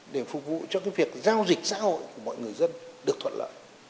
để phục vụ cho cái việc giao dịch xã hội của mọi người dân được thuận lợi